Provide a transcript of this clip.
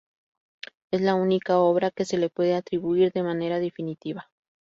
Es la única obra que se le puede atribuir de manera definitiva.